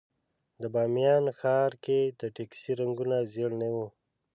د بامیان ښار کې د ټکسي رنګونه ژېړ نه وو.